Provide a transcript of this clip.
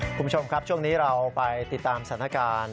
คุณผู้ชมครับช่วงนี้เราไปติดตามสถานการณ์